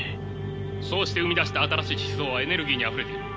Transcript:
そうして生み出した新しい思想はエネルギーにあふれている。